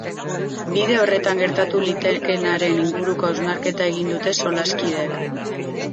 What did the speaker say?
Bide horretan gertatu litekeenaren inguruko hausnarketa egin dute solaskideek.